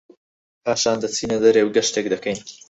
پاشان دەچینە دەرێ و گەشتێک دەکەین